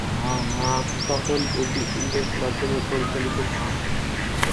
তখন এটি ইংরেজি মাধ্যমে পরিচালিত ছিল।